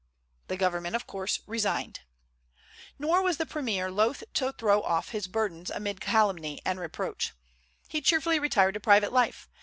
The government of course resigned. Nor was the premier loath to throw off his burdens amid calumny and reproach. He cheerfully retired to private life.